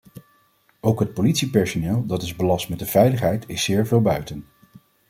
Ook het politiepersoneel dat is belast met de veiligheid is zeer veel buiten.